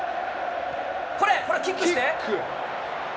これ、これキックして。